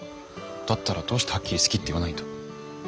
だったらどうしてはっきり好きって言わないんだ。